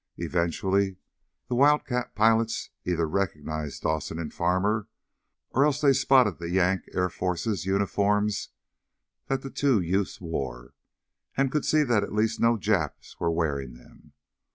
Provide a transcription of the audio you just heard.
Eventually the Wildcat pilots either recognized Dawson and Farmer, or else they spotted the Yank Air Forces uniforms that the two youths wore, and could see that at least no Japs were wearing them.